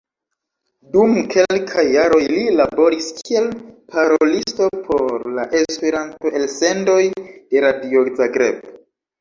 Dum kelkaj jaroj li laboris kiel parolisto por la Esperanto-elsendoj de Radio Zagreb.